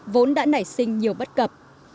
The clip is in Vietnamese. vốn đã nảy sinh nhiều bất cập